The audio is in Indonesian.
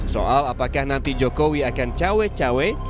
soal apakah nanti jokowi akan cawe cawe